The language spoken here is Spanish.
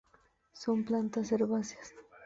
Son plantas herbáceas.